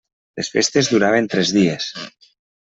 Les festes duraven tres dies.